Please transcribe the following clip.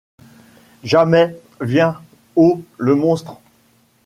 Jamais ! -Viens ! -Oh ! le monstre !-